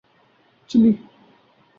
چلی